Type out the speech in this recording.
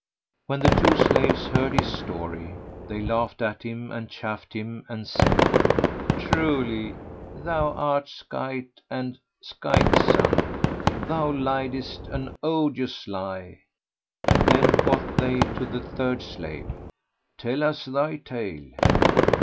When the two slaves heard his history, they laughed at him and chaffed him and said, "Truly thou art skite[FN#103] and skite son! Thou liedest an odious lie." Then quoth they to the third slave, "Tell us thy tale."